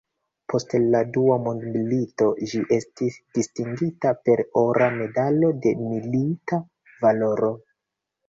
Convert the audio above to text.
Post la Dua mondmilito ĝi estis distingita per ora medalo de "milita valoro".